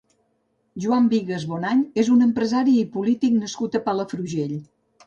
Joan Vigas Bonany és un empresari i polític nascut a Palafrugell.